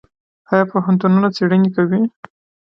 آیا پوهنتونونه څیړنې کوي؟